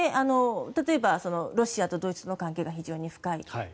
例えばロシアとドイツの関係が非常に深い。